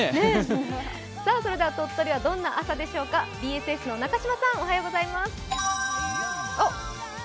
それでは鳥取はどんな朝なんでしょうかＢＳＳの中島さん、おはようございます。